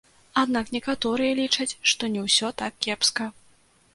Аднак некаторыя лічаць, што не ўсё так кепска.